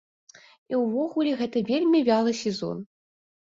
І ўвогуле гэта вельмі вялы сезон.